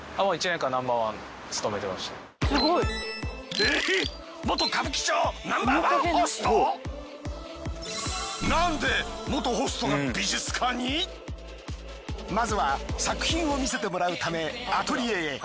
えっまずは作品を見せてもらうためアトリエへ。